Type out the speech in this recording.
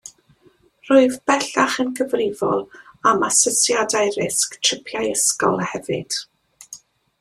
Rwyf bellach yn gyfrifol am asesiadau risg tripiau ysgol hefyd.